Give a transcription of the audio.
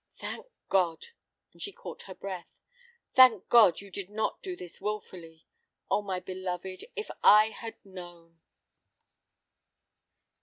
"Thank God!" and she caught her breath; "thank God, you did not do this wilfully! Oh, my beloved, if I had known!"